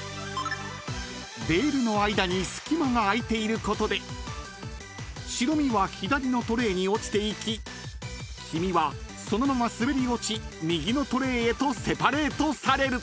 ［レールの間に隙間があいていることで白身は左のトレーに落ちていき黄身はそのまま滑り落ち右のトレーへとセパレートされる］